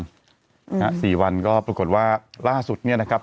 ๔วันยันทร์ก็ปรุกฏว่าร่าสุดเนี่ยนะครับ